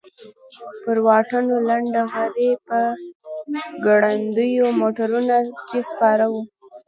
پر واټونو لنډه غري په ګړندیو موټرونو کې سپاره وو.